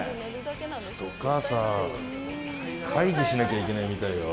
ちょっとお母さん。会議しなきゃいけないみたいよ。